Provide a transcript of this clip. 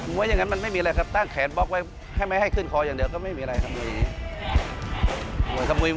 ไว้อย่างนั้นมันไม่มีอะไรครับตั้งแขนบล็อกไว้ให้ไม่ให้ขึ้นคออย่างเดียวก็ไม่มีอะไรทำมืออย่างนี้